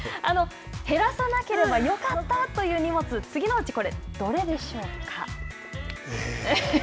減らさなければよかったという荷物、次のうち、どれでしょうか。